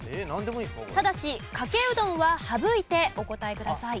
ただしかけうどんは省いてお答えください。